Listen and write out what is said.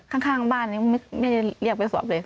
ข้างบ้านยังไม่ได้เรียกไปสอบเลย